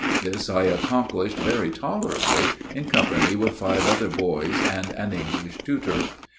This I accomplished very tolerably, in company with five other boys and an English tutor.